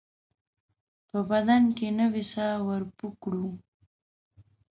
په بدن کې نوې ساه ورپو کړو